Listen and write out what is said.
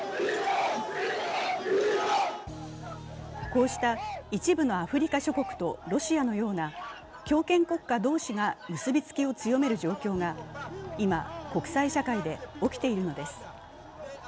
こうした一部のアフリカ諸国とロシアのような強権国家同士が結びつきを強める状況が今、国際社会で起きているのです。